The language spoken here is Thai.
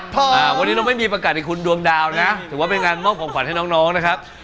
วันนี้เราไม่มีประกาศให้คุณดวงดาวนะถือว่าเป็นงานมอบของขวัญให้น้องนะครับ